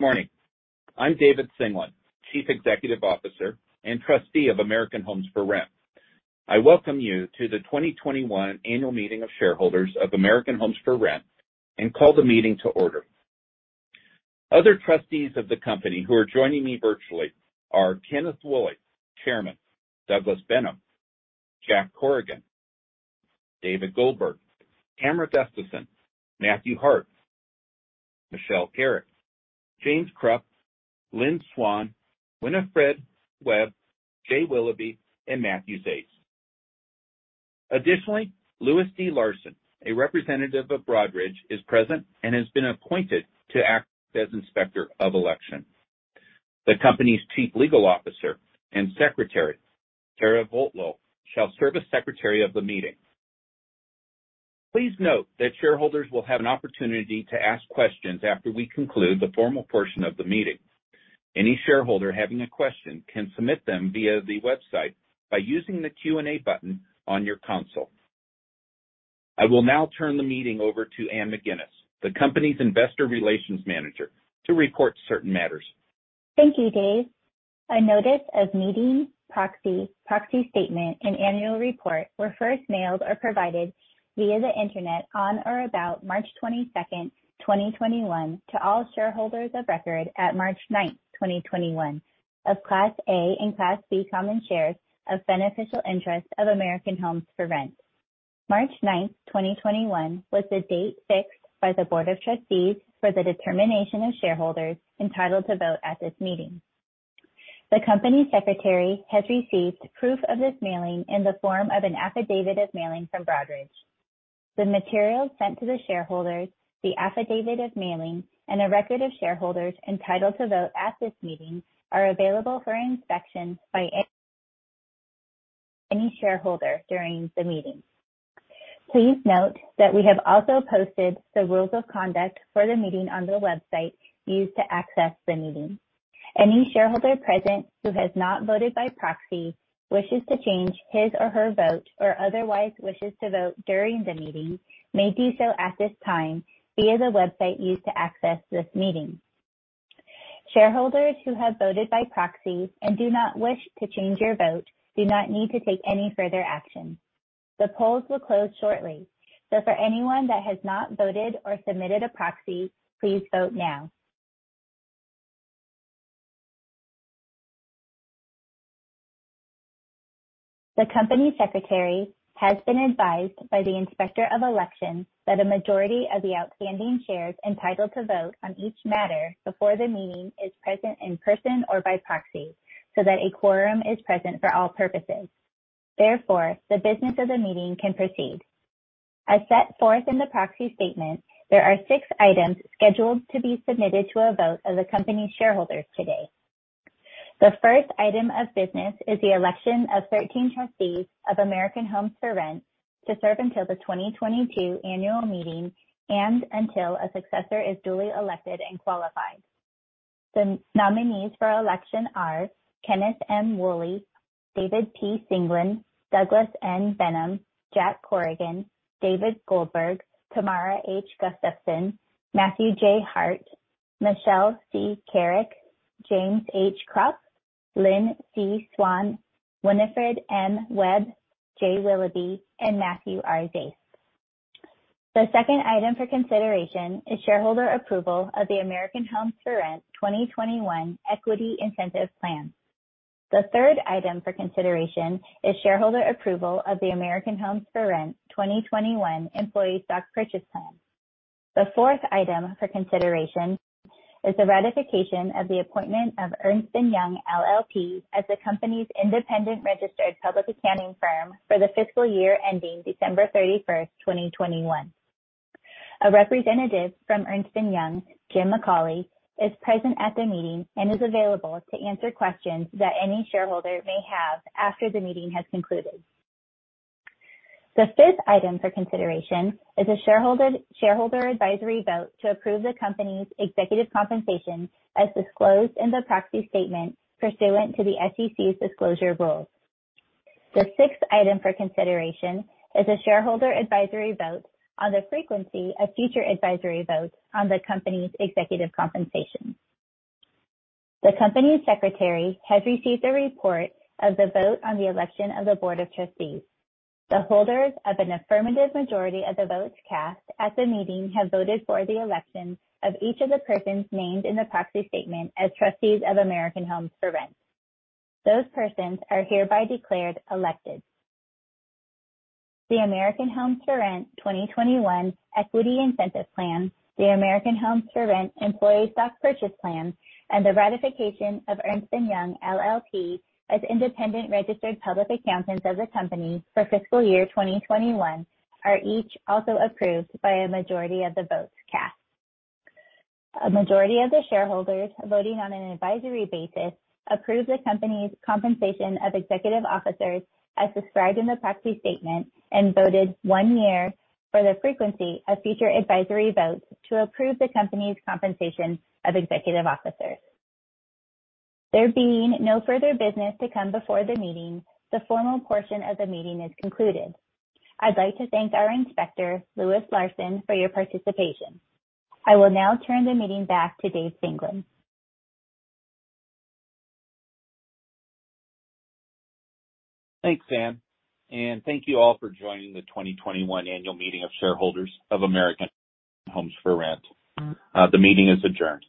Morning. I'm David Singelyn, Chief Executive Officer and Trustee of American Homes 4 Rent. I welcome you to the 2021 Annual Meeting of Shareholders of American Homes 4 Rent and call the meeting to order. Other trustees of the company who are joining me virtually are Kenneth Woolley, Chairman, Douglas Benham, Jack Corrigan, David Goldberg, Tamara Gustavson, Matthew Hart, Michelle Kerrick, James Kropp, Lynn C. Swann, Winifred Webb, Jay Willoughby, and Matthew Zaist. Additionally, Louis Larson, a representative of Broadridge, is present and has been appointed to act as Inspector of Election. The company's Chief Legal Officer and Secretary, Sara Vogt-Lowell, shall serve as Secretary of the meeting. Please note that shareholders will have an opportunity to ask questions after we conclude the formal portion of the meeting. Any shareholder having a question can submit them via the website by using the Q&A button on your console. I will now turn the meeting over to Anne McGuinness, the company's Investor Relations Manager, to report certain matters. Thank you, Dave. A notice of meeting, proxy statement, and annual report were first mailed or provided via the internet on or about March 22nd, 2021, to all shareholders of record at March 9th, 2021, of Class A and Class B common shares of beneficial interest of American Homes 4 Rent. March 9th, 2021, was the date fixed by the Board of Trustees for the determination of shareholders entitled to vote at this meeting. The company secretary has received proof of this mailing in the form of an affidavit of mailing from Broadridge Financial Solutions. The materials sent to the shareholders, the affidavit of mailing, and a record of shareholders entitled to vote at this meeting are available for inspection by any shareholder during the meeting. Please note that we have also posted the rules of conduct for the meeting on the website used to access the meeting. Any shareholder present who has not voted by proxy, wishes to change his or her vote, or otherwise wishes to vote during the meeting, may do so at this time via the website used to access this meeting. Shareholders who have voted by proxy and do not wish to change your vote do not need to take any further action. For anyone that has not voted or submitted a proxy, please vote now. The company secretary has been advised by the Inspector of Election that a majority of the outstanding shares entitled to vote on each matter before the meeting is present in person or by proxy, that a quorum is present for all purposes. The business of the meeting can proceed. As set forth in the proxy statement, there are six items scheduled to be submitted to a vote of the company shareholders today. The first item of business is the election of 13 trustees of American Homes 4 Rent to serve until the 2022 annual meeting and until a successor is duly elected and qualified. The nominees for election are Kenneth M. Woolley, David P. Singelyn, Douglas N. Benham, Jack Corrigan, David Goldberg, Tamara Gustavson, Matthew J. Hart, Michelle C. Kerrick, James H. Kropp, Lynn C. Swann, Winifred M. Webb, Jay Willoughby, and Matthew R. Zaist. The second item for consideration is shareholder approval of the American Homes 4 Rent 2021 Equity Incentive Plan. The third item for consideration is shareholder approval of the American Homes 4 Rent 2021 Employee Stock Purchase Plan. The fourth item for consideration is the ratification of the appointment of Ernst & Young LLP as the company's independent registered public accounting firm for the fiscal year ending December 31st, 2021. A representative from Ernst & Young, Jim McCauley, is present at the meeting and is available to answer questions that any shareholder may have after the meeting has concluded. The fifth item for consideration is a shareholder advisory vote to approve the company's executive compensation as disclosed in the proxy statement pursuant to the SEC's disclosure rules. The sixth item for consideration is a shareholder advisory vote on the frequency of future advisory votes on the company's executive compensation. The company secretary has received a report of the vote on the election of the board of trustees. The holders of an affirmative majority of the votes cast at the meeting have voted for the election of each of the persons named in the proxy statement as trustees of American Homes 4 Rent. Those persons are hereby declared elected. The American Homes 4 Rent 2021 Equity Incentive Plan, the American Homes 4 Rent Employee Stock Purchase Plan, and the ratification of Ernst & Young LLP as independent registered public accountants of the company for fiscal year 2021 are each also approved by a majority of the votes cast. A majority of the shareholders voting on an advisory basis approved the company's compensation of executive officers as described in the proxy statement and voted one year for the frequency of future advisory votes to approve the company's compensation of executive officers. There being no further business to come before the meeting, the formal portion of the meeting is concluded. I'd like to thank our inspector, Louis Larson, for your participation. I will now turn the meeting back to Dave Singelyn. Thanks, Anne, and thank you all for joining the 2021 Annual Meeting of Shareholders of American Homes 4 Rent. The meeting is adjourned.